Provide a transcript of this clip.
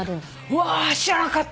うわ知らなかった！